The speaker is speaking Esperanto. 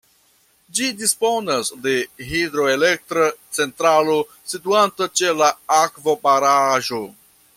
Ĝi disponas de hidroelektra centralo situanta ĉe la akvobaraĵo.